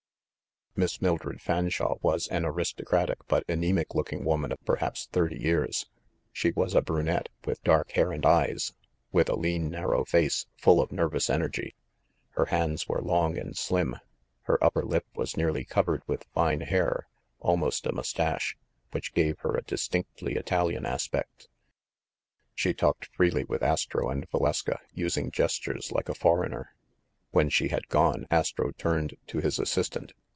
Miss Miildred Fanshawe was an aristocratic but anemic looking woman of perhaps thirty years. She was a brunette, with dark hair and eyes, with a lean narrow face, full of nervous energy. Her hands were long and slim ; her upper lip was nearly covered with fine hair, almost a mustache, which gave her a dis tinctly Italian aspect. She talked freely with Astro and Valeska, using gestures like a foreigner. When she had gone, Astro turned to his assistant.